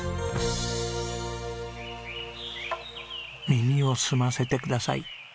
耳を澄ませてください。